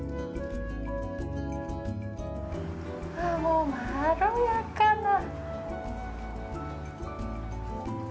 もう、まろやかな。